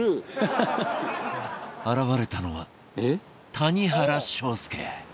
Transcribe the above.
現れたのは谷原章介